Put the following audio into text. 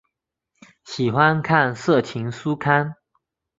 喜欢看色情书刊。